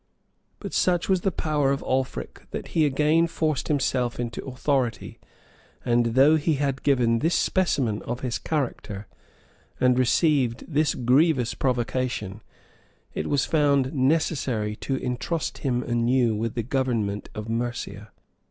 ] But such was the power of Alfric, that he again forced himself into authority; and though he had given this specimen of his character, and received this grievous provocation, it was found necessary to intrust him anew with the government of Mercia.